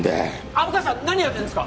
・虻川さん何やってんですか。